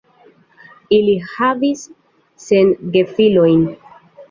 Ili havis ses gefilojn.